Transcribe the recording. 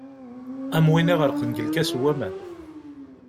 Am win iɣerqen deg lkas n waman.